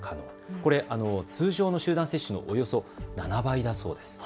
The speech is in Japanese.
これは通常の集団接種のおよそ７倍だそうです。